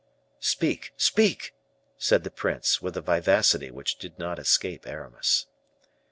"Speak, speak," said the prince, with a vivacity which did not escape Aramis.